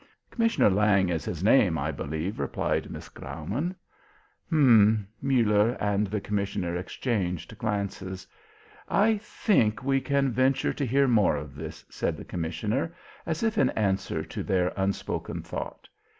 "Commissioner Lange is his name, I believe," replied Miss Graumann. "H'm!" Muller and the commissioner exchanged glances. "I think we can venture to hear more of this," said the commissioner, as if in answer to their unspoken thought.